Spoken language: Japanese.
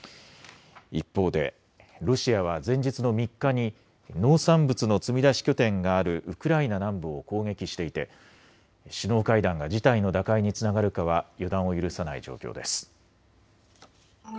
一方でロシアは前日の３日に農産物の積み出し拠点があるウクライナ南部を攻撃していて首脳会談が事態の打開につながるかは予断を許さない状況です。